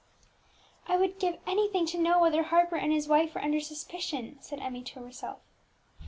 "I would give anything to know whether Harper and his wife are under suspicion!" said Emmie to herself.